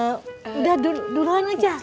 udah duluan aja